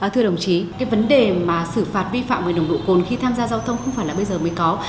thưa đồng chí cái vấn đề mà xử phạt vi phạm về nồng độ cồn khi tham gia giao thông không phải là bây giờ mới có